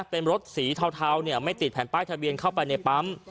เป็นรถสีเทาไม่ติดแผ่นป้ายทะเบียนเข้าไปในปั๊ม